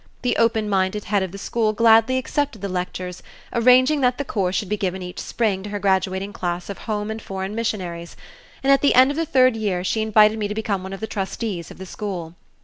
The open minded head of the school gladly accepted the lectures, arranging that the course should be given each spring to her graduating class of Home and Foreign Missionaries, and at the end of the third year she invited me to become one of the trustees of the school.